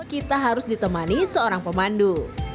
kita harus ditemani seorang pemandu